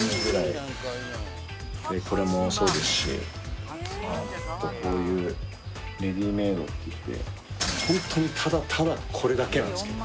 でこれもそうですしあとこういうレディメイドって言って本当にただただこれだけなんですけど。